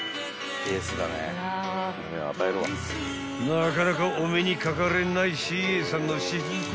［なかなかお目にかかれないＣＡさんの私服姿］